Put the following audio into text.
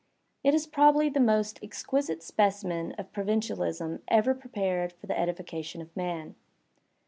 It is probably the most exquisite specimen of provincialism ever prepared for the edification of man.